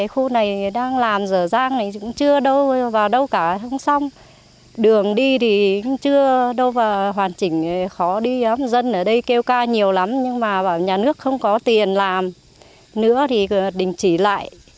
hoàn chỉnh khó đi dân ở đây kêu ca nhiều lắm nhưng mà nhà nước không có tiền làm nữa thì đình chỉ lại